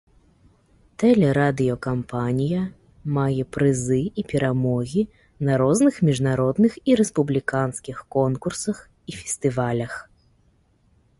Тэлерадыёкампанія мае прызы і перамогі на розных міжнародных і рэспубліканскіх конкурсах і фестывалях.